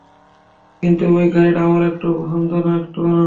কিন্তু ঐ গাইড আমার একটুও পছন্দ না, একটুও না।